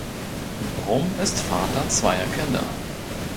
Brum ist Vater zweier Kinder.